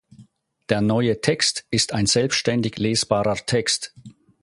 Der neue Text ist ein selbständig lesbarer Text.